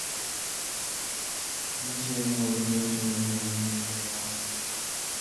Michael was mentioned in despatches.